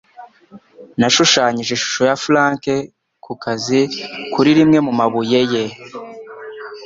Nashushanyije ishusho ya Frank ku kazi kuri rimwe mu mabuye ye